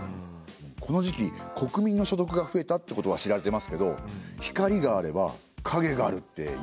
この時期国民の所得が増えたってことは知られてますけど光があれば影があるって言うじゃないですか。